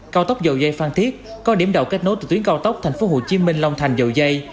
cao tốc dầu dây phan thiết có điểm đầu kết nối từ tuyến cao tốc tp hcm long thành dầu dây